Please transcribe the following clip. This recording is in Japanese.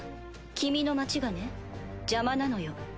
君の町がね邪魔なのよ。